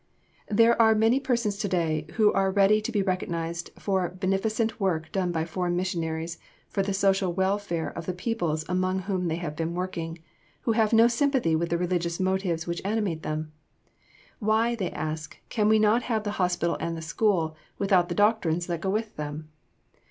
[Sidenote: The one great need of the world.] There are many persons today who are ready to recognize the beneficent work done by foreign missionaries for the social welfare of the peoples among whom they have been working, who have no sympathy with the religious motives which animate them. Why, they ask, can we not have the hospital and the school without the doctrines that go with them?